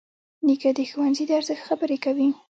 نیکه د ښوونځي د ارزښت خبرې کوي.